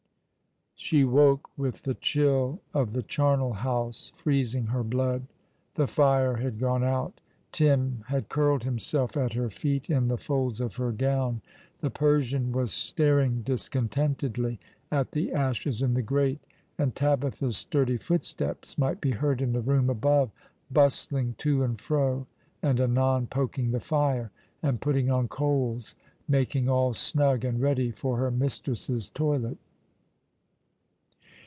She woke with the chill of the charnel house freezing her blood. The fire had gone out. Tim had curled himself at her feet in the folds of her gown. The Persian ^\as staring discontentedly at the ashes in the grate, and Tabitha's sturdy footsteps might be heard in the room above, bustling to and fro, and anon poking the fire, and putting on coals, making all snug and ready for her mistress's toilet.